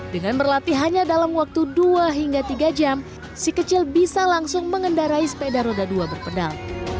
dengan berlatih hanya dalam waktu dua hingga tiga jam si kecil bisa langsung mengendarai sepeda roda dua berpedal